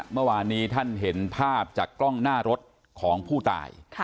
เมื่อวานนี้ท่านเห็นภาพจากกล้องหน้ารถของผู้ตาย